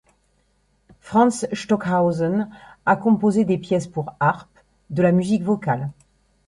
Franz Stockhausen a composé des pièces pour harpe, de la musique vocale.